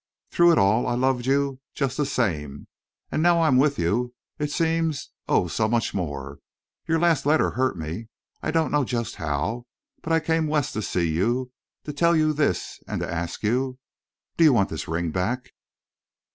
Through it all I loved you just the same. And now I'm with you, it seems, oh, so much more!... Your last letter hurt me. I don't know just how. But I came West to see you—to tell you this—and to ask you.... Do you want this ring back?"